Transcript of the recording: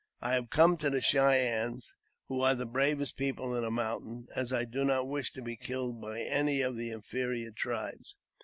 I have come to the Cheyennes, who are the bravest people in the mountains, as I do not wish to be killed by any of the inferior tribes.